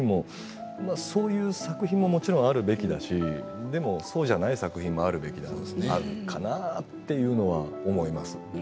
そういう作品ももちろんあるべきだしでも、そうじゃない作品もあるべきかなというのは思います。